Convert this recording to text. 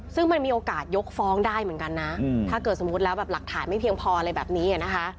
ซึ่งมันมีโอกาสยกฟ้องได้เหมือนกันนะถ้าเกิดสมมุติแล้วแบบหลักฐานไม่เพียงพออะไรแบบนี้นะคะ